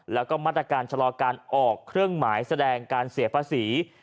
แล้วก็มาตรการชะลอการออกเครื่องหมายแสดงการเสียภาษี